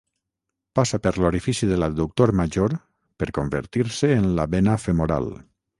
Passa per l'orifici de l'adductor major per convertir-se en la vena femoral.